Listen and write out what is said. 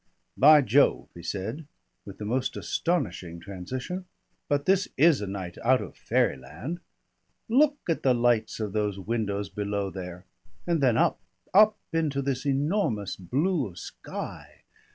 "By Jove!" he said with the most astonishing transition, "but this is a night out of fairyland! Look at the lights of those windows below there and then up up into this enormous blue of sky.